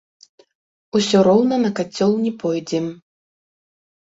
Усё роўна на кацёл не пойдзем!